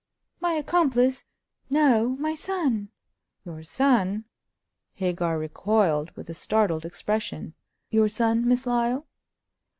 "My accomplice; no, my son!" "Your son!" Hagar recoiled, with a startled expression. "Your son, Miss Lyle?"